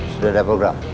sudah ada program